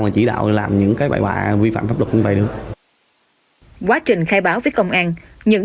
mà chỉ đạo làm những cái bài bản vi phạm pháp luật cũng vậy được quá trình khai báo với công an những